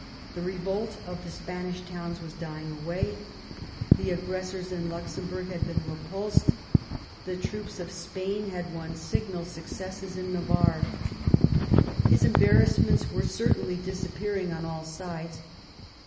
The revolt of the Spanish towns was dying away; the aggressors in Luxembourg had been repulsed ; the troops of Spain had won signal successes in Navarre. His embarrassments were certainly disappearing on all sides.